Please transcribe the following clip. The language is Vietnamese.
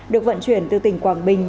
được vận chuyển từ tỉnh quảng bình